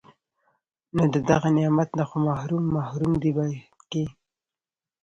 نو د دغه نعمت نه خو محروم محروم دی بلکي